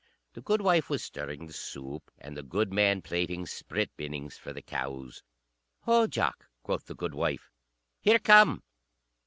The goodwife was stirring the soup, and the goodman plaiting sprit binnings for the cows. "Ho, Jock," quoth the goodwife, "here come.